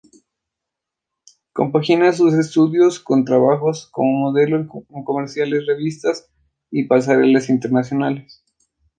Compagina sus estudios con trabajos como modelo en comerciales, revistas y pasarelas internacionales.